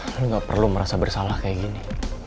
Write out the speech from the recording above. lu gak perlu merasa bersalah kayak gini